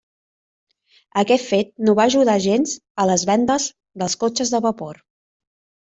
Aquest fet no va ajudar gens a les vendes dels cotxes de vapor.